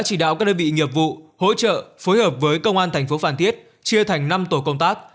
chỉ đạo các đơn vị nghiệp vụ hỗ trợ phối hợp với công an thành phố phan thiết chia thành năm tổ công tác